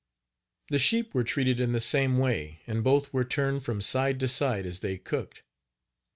The sheep were treated in the same way, and both were turned from side to side as they cooked.